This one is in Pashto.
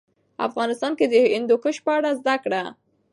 افغانستان کې د هندوکش په اړه زده کړه.